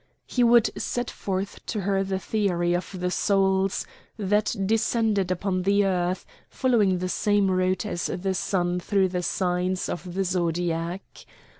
He would set forth to her the theory of the souls that descend upon the earth, following the same route as the sun through the signs of the zodiac.